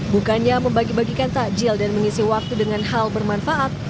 bukannya membagi bagikan takjil dan mengisi waktu dengan hal bermanfaat